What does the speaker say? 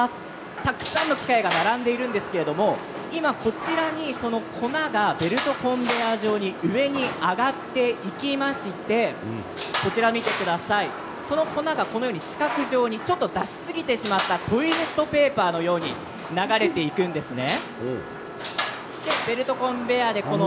たくさんの機械が並んでいるんですが今は粉がベルトコンベヤーで上に上がっていきましてその粉が、四角状に出しすぎてしまったトイレットペーパーのように流れていくんですね。